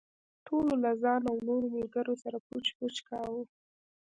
ټولو له ځان او نورو ملګرو سره پچ پچ کاوه.